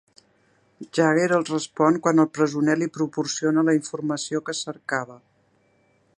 Jagger els respon quan el presoner li proporciona la informació que cercava.